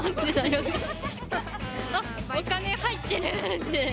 あっお金入ってる！って。